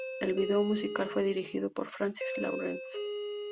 El video musical fue dirigido por Francis Lawrence.